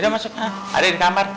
udah masuk ada di kamar tuh